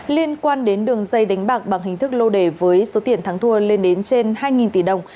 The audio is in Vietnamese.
liên quan đến đường dây đánh bạc bằng hình thức lô đề với số tiền thắng thua lên đến trên hai tỷ đồng